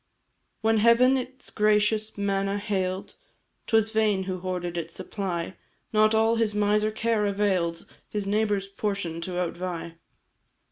"When Heaven its gracious manna hail'd, 'Twas vain who hoarded its supply, Not all his miser care avail'd His neighbour's portion to outvie.